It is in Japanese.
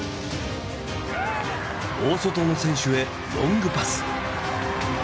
大外の選手へロングパス。